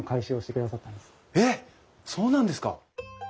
そうなんですか？